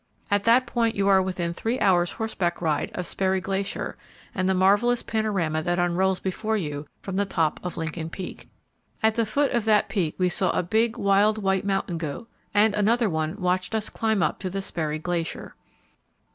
At that point you are within three hours' horse back ride of Sperry Glacier and the marvelous panorama that unrolls before you from the top of Lincoln Peak. At the foot of that Peak we saw a big, wild white mountain goat: and another one watched us climb up to the Sperry Glacier.